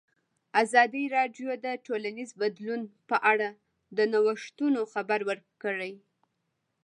ازادي راډیو د ټولنیز بدلون په اړه د نوښتونو خبر ورکړی.